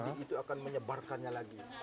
jadi itu akan menyebarkannya lagi